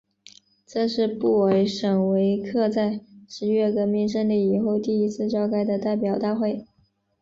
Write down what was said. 这是布尔什维克在十月革命胜利以后第一次召开的代表大会。